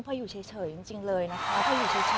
พ่ออยู่เฉยจริงเลยนะคะ